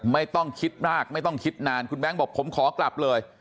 ไม่ต้องคิดมากไม่ต้องคิดนานคุณแบงค์บอกผมขอกลับเลย